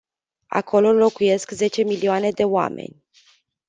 Acolo locuiesc zece milioane de oameni.